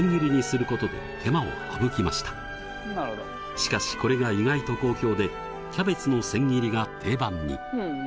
しかしこれが意外と好評でキャベツの千切りが定番に。